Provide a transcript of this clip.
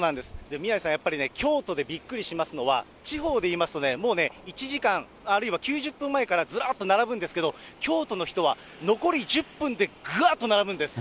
宮根さん、やっぱりね、京都でびっくりしますのは、地方でいいますとね、もうね、１時間、あるいは９０分前からずらっと並ぶんですけれども、京都の人は残り１０分でぐわっと並ぶんです。